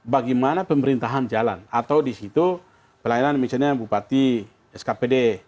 bagaimana pemerintahan jalan atau disitu pelayanan misalnya bupati skpd